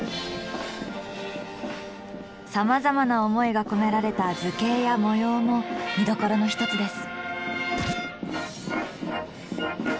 さまざまな思いが込められた図形や模様も見どころの一つです。